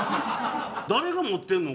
誰が持ってるの？